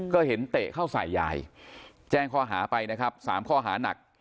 ก็เห็นเตะเข้าใส่ยายแจ้งข้อหาไปนะครับ๓ข้อหานัก